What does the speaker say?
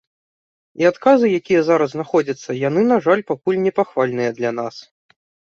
І адказы, якія зараз знаходзяцца, яны, на жаль, пакуль непахвальныя для нас.